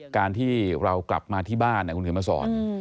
การที่เรากลับมาที่บ้านคุณเขียนมาสอน